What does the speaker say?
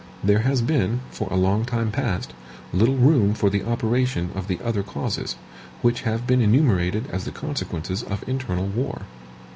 There has been, for a long time past, little room for the operation of the other causes, which have been enumerated as the consequences of internal war.